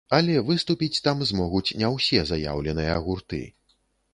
Але выступіць там змогуць не ўсе заяўленыя гурты.